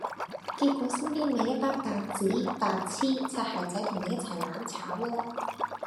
結果身邊咪一班白紙、白癡、擦鞋仔同你一齊攬炒囉